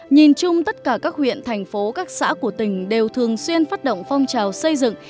nhìn chung tất cả các huyện thành phố các xã của tỉnh đều thường xuyên phát động phong trào xây dựng